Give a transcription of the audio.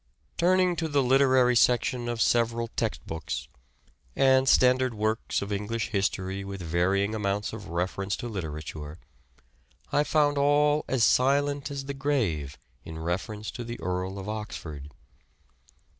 Turning to the literary section of several text books, and standard works of English history with varying amounts of reference to literature, I found all as silent as the grave in reference to the Earl of Oxford.